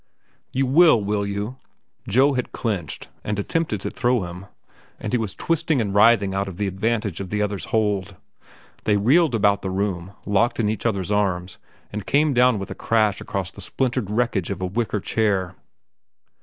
—you will, will you?" Joe had clinched and attempted to throw him, and he was twisting and writhing out of the advantage of the other's hold. They reeled about the room, locked in each other's arms, and came down with a crash across the splintered wreckage of a wicker chair.